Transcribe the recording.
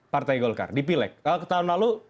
partai golkar di pileg tahun lalu